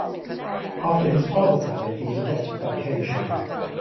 After his father died, he was adopted by Kenshin.